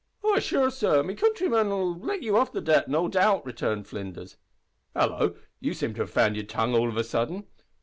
"Ah! sure, sor, me counthryman'll let ye off the dibt, no doubt," returned Flinders. "Hallo! you seem to have found your tongue all of a sudden!"